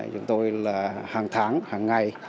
chúng tôi là hàng tháng hàng ngày